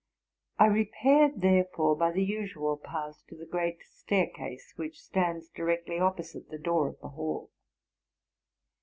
I repaired, therefore, by the usual path, to the great staircase, which stands directly opposite the door of the hall.